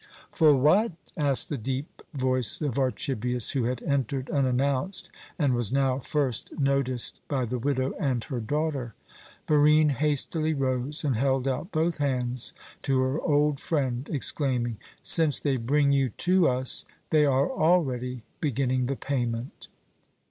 "For what?" asked the deep voice of Archibius, who had entered unannounced, and was now first noticed by the widow and her daughter. Barine hastily rose and held out both hands to her old friend, exclaiming, "Since they bring you to us, they are already beginning the payment."